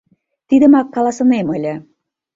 — Тидымак каласынем ыле.